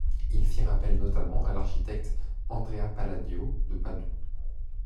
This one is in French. Ils firent appel notamment à l’architecte Andrea Palladio de Padoue.